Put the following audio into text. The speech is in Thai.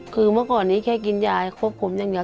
คือเมื่อก่อนนี้แค่กินยายครบผมอย่างเดียว